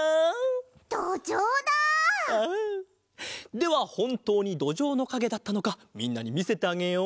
ではほんとうにどじょうのかげだったのかみんなにみせてあげよう！